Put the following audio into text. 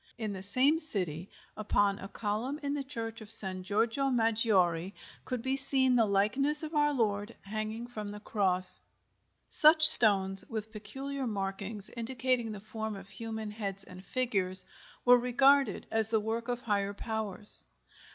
In the same city, upon a column in the church of San Georgio Maggiore, could be seen the likeness of Our Lord, hanging from the Cross. Such stones, with peculiar markings indicating the form of human heads and figures, were regarded as the work of higher powers.